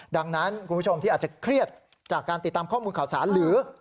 ดังนั้นคุณผู้ชมที่อาจจะเครียดจากการติดตามข้อมูลข่าวสารหรือ